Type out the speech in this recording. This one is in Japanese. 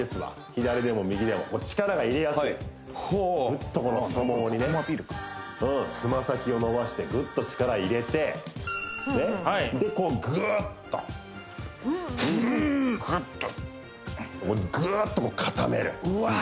左でも右でも力が入れやすいところ太ももにね爪先を伸ばしてグッと力入れてでこうグーッとグッとグッと固めるうわ